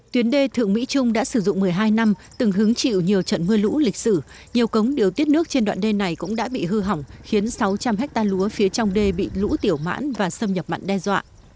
tuyến đê thượng mỹ trung đã sử dụng một mươi hai năm từng hứng chịu nhiều trận mưa lũ lịch sử nhiều cống điều tiết nước trên đoạn đê này cũng đã bị hư hỏng khiến sáu trăm linh ha lúa phía trong đê bị lũ tiểu mãn và xâm nhập mặn đe dọa